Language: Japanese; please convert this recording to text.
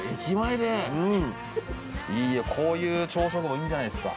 いいよこういう朝食もいいんじゃないですか。